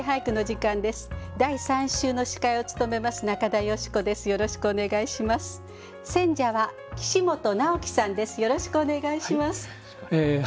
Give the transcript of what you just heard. よろしくお願いします。